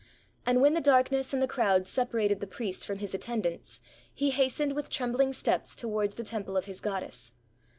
And when the darkness and the crowd separated the priest from his attendants, he hastened with trembhng steps towards the temple of his goddess.